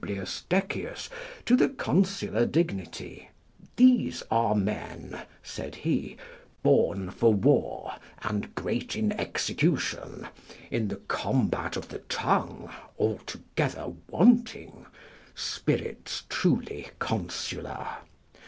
Decius, to the consular dignity: "These are men," said he, "born for war and great in execution; in the combat of the tongue altogether wanting; spirits truly consular.